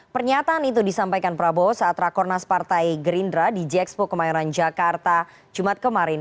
pernyataan itu disampaikan prabowo saat rakornas partai gerindra di jxpo kemayoran jakarta jumat kemarin